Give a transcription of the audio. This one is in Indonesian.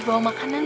jadi jalan nggak